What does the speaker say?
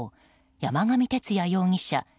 山上徹也容疑者